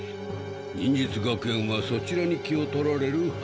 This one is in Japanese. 忍術学園はそちらに気を取られるはず。